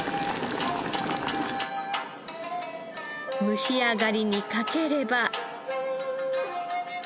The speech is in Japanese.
蒸し上がりにかければ。